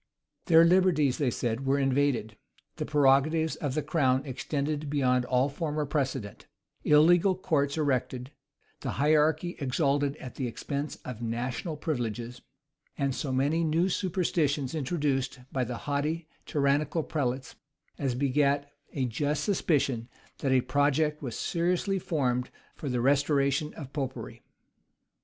Their liberties, they said, were invaded; the prerogatives of the crown extended beyond all former precedent; illegal courts erected; the hierarchy exalted at the expense of national privileges; and so many new superstitions introduced by the haughty, tyrannical prelates, as begat a just suspicion that a project was seriously formed for the restoration of Popery.